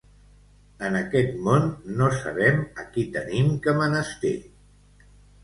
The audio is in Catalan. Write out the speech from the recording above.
En aquest món, no sabem a qui tenim que menester.